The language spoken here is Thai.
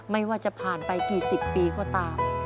ไม่ว่าจะผ่านไปกี่สิบปีก็ตาม